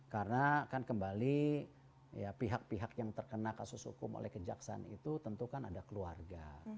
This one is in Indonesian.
karena kan kembali pihak pihak yang terkena kasus hukum oleh kejaksaan itu tentu kan ada keluarga